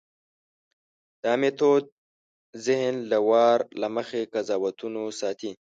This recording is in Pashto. دا میتود ذهن له وار له مخکې قضاوتونو ساتي.